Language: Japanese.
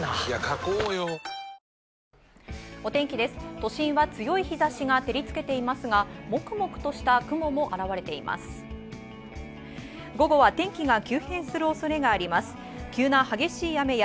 都心は強い日差しが照りつけていますが、もくもくとした雲も現れています。